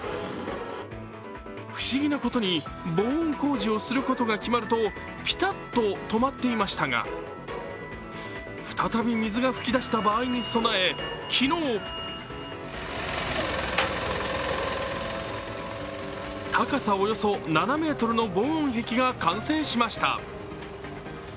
不思議なことに防音工事をすることが決まるとピタッと止まっていましたが、再び水が噴き出した場合に備え昨日高さおよそ７ｍの防音壁が完成しました。